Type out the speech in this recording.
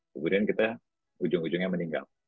kemudian kita ujung ujungnya meninggal